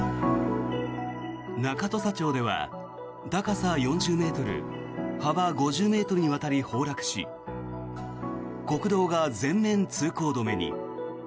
中土佐町では高さ４０ｍ幅５０ｍにわたり崩落し国道が全面通行止めに。